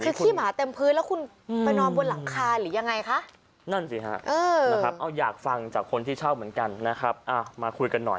คือขี้หมาเต็มพื้นแล้วคุณไปนอนบนหลังคา